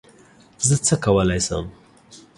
زه څه کولای یم